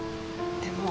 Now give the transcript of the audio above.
でも。